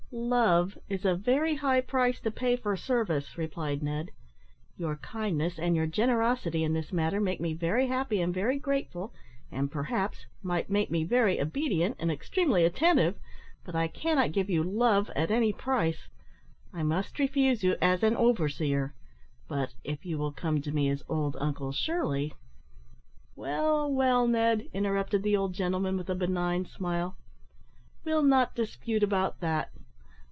"Love is a very high price to pay for service," replied Ned. "Your kindness and your generosity in this matter make me very happy and very grateful, and, perhaps, might make me very obedient and extremely attentive; but I cannot give you love at any price. I must refuse you as an overseer, but if you will come to me as old Uncle Shirley " "Well, well, Ned," interrupted the old gentleman, with a benign smile, "we'll not dispute about that.